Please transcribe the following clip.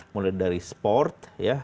mulai dari sport ya